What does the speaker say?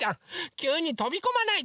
きゅうにとびこまないで。